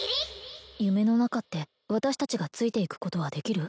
夢の中って私達がついて行くことはできる？